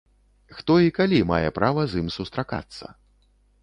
Хто і калі мае права з ім сустракацца?